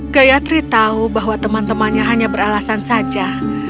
gayatri tahu bahwa teman temannya hanya beralasan saja